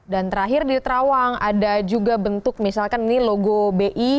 dan terakhir di terawang ada juga bentuk misalkan ini logo bi